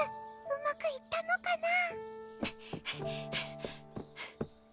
うまくいったのかな？